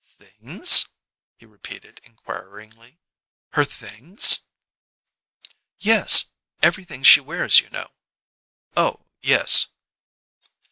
"Things?" he repeated inquiringly. "Her things?" "Yes. Everything she wears, you know." "Oh, yes."